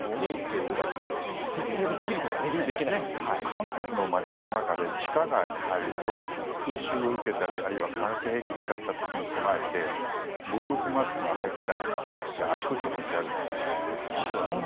韓国の街の中で地下街に入ると空襲を受けたり、あるいは化学兵器を使った時に備えて防毒マスクが入ったボックスがあちこちに置いてあるんですよ。